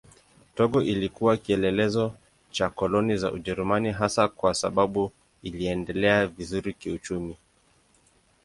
Togo ilikuwa kielelezo cha koloni za Ujerumani hasa kwa sababu iliendelea vizuri kiuchumi.